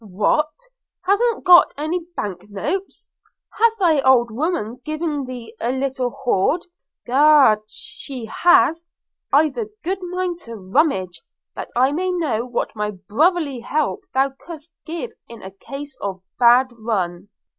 'What! hast got any bank notes? has thy old woman given thee a little hoard? Egad she has! – I've a good mind to rummage, that I may know what brotherly help thou couldst give in case of a bad run.'